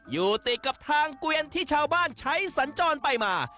อยู่ติดกับทางเกวียนที่ชาวบ้านใช้สัญจรไปมา